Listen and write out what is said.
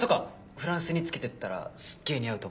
フランスに着けてったらすっげぇ似合うと思うんだけど。